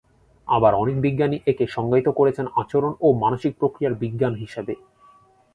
আবার অনেক বিজ্ঞানী একে সংজ্ঞায়িত করেছেন "আচরণ ও মানসিক প্রক্রিয়ার বিজ্ঞান" হিসেবে।।